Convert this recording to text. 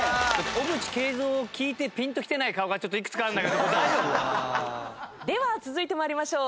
小渕恵三を聞いてピンときてない顔がちょっといくつかあるんだけど大丈夫？では続いて参りましょう。